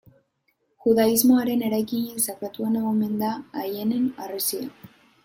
Judaismoaren eraikinik sakratuena omen da Aieneen Harresia.